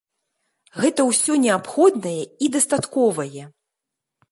Гэта ўсё неабходнае і дастатковае.